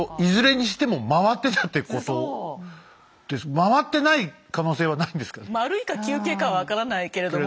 回ってない可能性はないんですか？